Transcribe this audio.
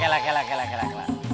kela kela kela kela kela